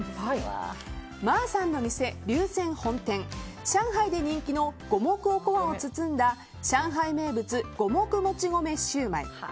馬さんの店龍仙本店上海で人気の五目おこわを包んだ上海名物五目もち米焼売。